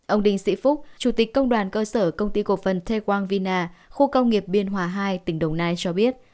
ông đình sĩ phúc chủ tịch công đoàn cơ sở công ty cộng phần tê quang vina khu công nghiệp biên hòa hai tỉnh đồng nai cho biết